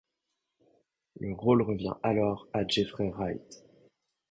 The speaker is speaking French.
Le rôle revient alors à Jeffrey Wright.